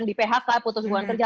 di phk putus hubungan kerja